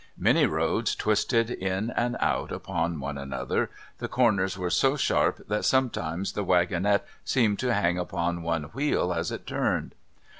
Many roads twisted in and out upon one another; the corners were so sharp that sometimes the wagonette seemed to hang upon one wheel as it turned.